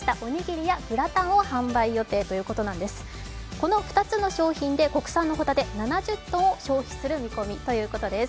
この２つの商品で国産のホタテ７０ｋｇを消費する見込みということです。